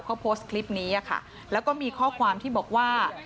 เขาโพสต์คลิปนี้ค่ะแล้วก็มีข้อความที่บอกว่า